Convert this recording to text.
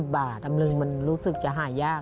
บาทตำลึงมันรู้สึกจะหายาก